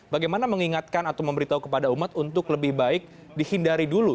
bagaimana mengingatkan atau memberitahu kepada umat untuk lebih baik dihindari dulu